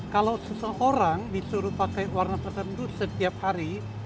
kalau seseorang disuruh pakai warna tertentu setiap hari